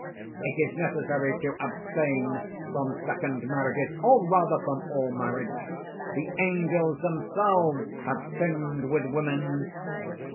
It is necessary to abstain from second marriages, or rather from all marriage! The Angels themselves have sinned with women!"